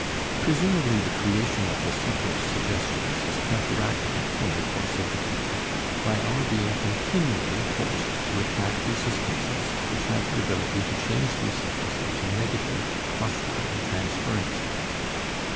Presumably the creation of the separate suggestions is counteracted, in the course of the cure, by our being continually forced to attack resistances which have the ability to change themselves into negative (hostile) transferences.